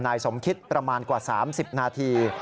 นายสมคิดประมาณกว่า๓๐นาที